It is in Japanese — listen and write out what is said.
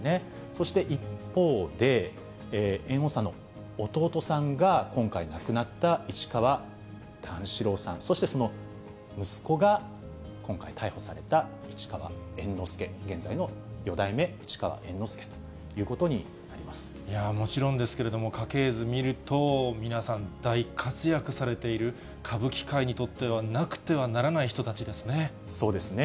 そして、一方で、猿翁さんの弟さんが、今回亡くなった市川段四郎さん、そしてその息子が、今回逮捕された市川猿之助、現在の四代目、もちろんですけれども、家系図見ると、皆さん大活躍されている歌舞伎界にとってはなくてそうですね。